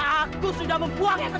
aku ingin tamatkan diri anda